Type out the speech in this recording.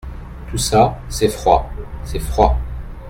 Tout ça, c’est froid ! c’est froid !